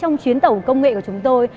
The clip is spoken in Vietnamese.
trong chuyến tàu công nghệ của chúng tôi